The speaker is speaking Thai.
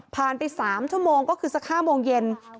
ผ่านไปสามชั่วโมงก็คือสักห้าโมงเย็น